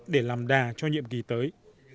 để làm đà cho nhiệm kỳ tới